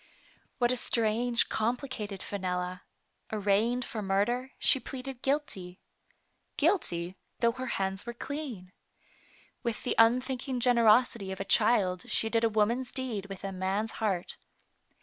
What a strange, complicated Fenella, ! Ar Digitized by Google taigned for murder, she pleaded "Guilty." " Guilty/* though her hands were clean ! With the unthinking generosity of a child she did a woman's deed with a man's heart.